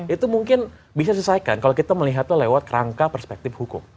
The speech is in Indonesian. itu mungkin bisa diselesaikan kalau kita melihatnya lewat rangka perspektif hukum